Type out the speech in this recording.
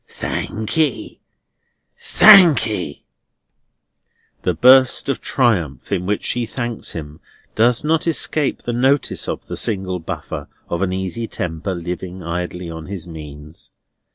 "Thank ye! Thank ye!" The burst of triumph in which she thanks him does not escape the notice of the single buffer of an easy temper living idly on his means.